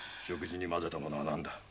食事に混ぜたものは何だ？